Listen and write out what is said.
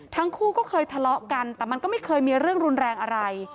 ทั้งคู่ก็เคยทะเลาะกันแต่มันก็ไม่เคยมีเรื่องรุนแรงอะไร